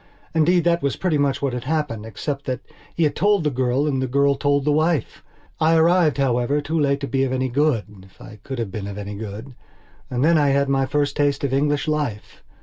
Indeed, that was pretty much what had happened, except that he had told the girl and the girl told the wife. I arrived, however, too late to be of any good if I could have been of any good. And then I had my first taste of English life.